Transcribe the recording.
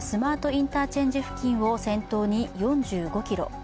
インターチェンジ付近を先頭に４５ｋｍ。